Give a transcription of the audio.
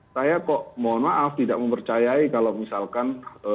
saya kok mohon maaf tidak mempercayai kalau misalkan